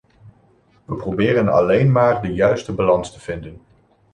We proberen alleen maar de juiste balans te vinden.